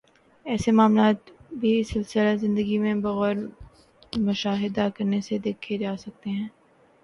ایسے معاملات بھی سلسلہ زندگی میں بغور مشاہدہ کرنے سے دیکھے جا سکتے ہیں